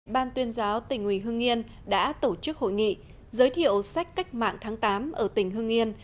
ban tuyên giáo tỉnh ủy hương yên đã tổ chức hội nghị giới thiệu sách cách mạng tháng tám ở tỉnh hưng yên